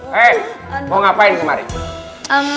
hei mau ngapain kemarin